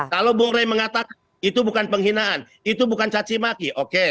kalau bung rey mengatakan itu bukan penghinaan itu bukan cacimaki oke